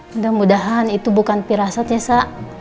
mudah mudahan itu bukan pirasat ya sa